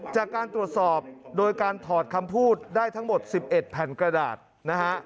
จากการตรวจสอบโดยการถอดคำพูดได้ทั้งหมด๑๑แผ่นกระดาษนะฮะ